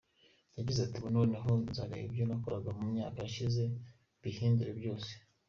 Yagize ati “Ubu noneho nzareba ibyo nakoraga mu myaka yashize mbihindure byose.